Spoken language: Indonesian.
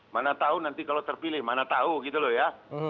mana tahu nanti kalau terpilih mana tahu gitu loh ya